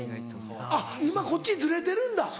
あっ今こっちにずれてるんだ。